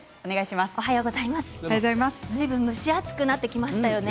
ずいぶん蒸し暑くなってきましたよね。